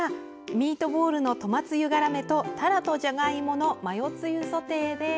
「ミートボールのトマつゆがらめ」と「たらとじゃがいものマヨつゆソテー」です。